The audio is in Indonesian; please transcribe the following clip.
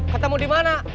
ketemu di mana